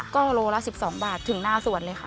ก็โลละ๑๒บาทถึงหน้าสวนเลยค่ะ